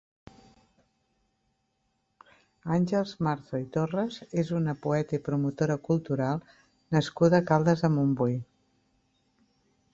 Àngels Marzo i Torres és una poeta i promotora cultural nascuda a Caldes de Montbui.